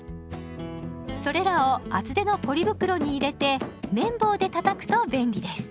それらを厚手のポリ袋に入れてめん棒でたたくと便利です。